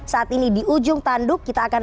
saat ini di ujung tanduk kita akan